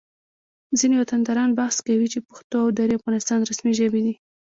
ځینې وطنداران بحث کوي چې پښتو او دري د افغانستان رسمي ژبې دي